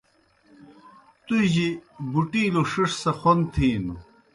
تُوْجیْ بُٹِیلوْ ݜِݜ سہ خوْن تِھینوْ۔